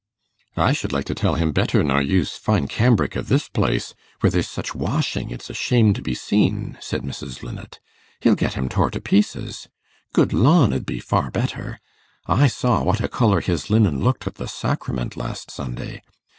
'I should like to tell him better nor use fine cambric i' this place, where there's such washing, it's a shame to be seen,' said Mrs. Linnet; 'he'll get 'em tore to pieces. Good lawn 'ud be far better. I saw what a colour his linen looked at the sacrament last Sunday.